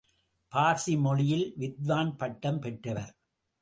பார்சி மொழியில் வித்வான் பட்டம் பெற்றவர்.